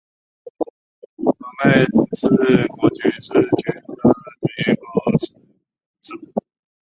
毛脉翅果菊是菊科翅果菊属的植物。